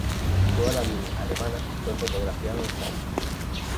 Toda la línea alemana fue fotografiada desde el aire.